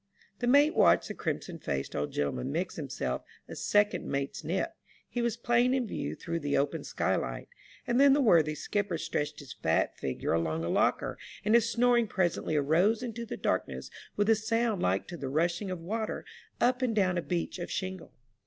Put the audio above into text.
The mate watched the crimson faced old gentleman mix himself a " second mate's nip "— he was plain in view through the open skylight — and then the worthy skipper stretched his fat figure along a locker, and his snoring presently arose into the darkness with a sound like to the rushing of water up and down a beach of shingle.